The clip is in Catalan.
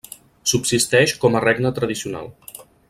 Subsisteix com a regne tradicional.